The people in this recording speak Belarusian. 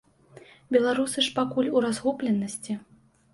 Беларусы ж пакуль у разгубленасці.